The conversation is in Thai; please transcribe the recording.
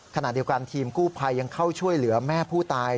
ขณะเดียวกันทีมกู้ภัยยังเข้าช่วยเหลือแม่ผู้ตาย